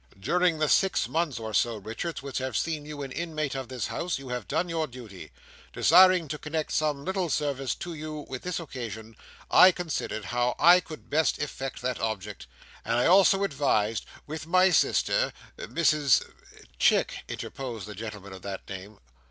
"During the six months or so, Richards, which have seen you an inmate of this house, you have done your duty. Desiring to connect some little service to you with this occasion, I considered how I could best effect that object, and I also advised with my sister, Mrs—" "Chick," interposed the gentleman of that name.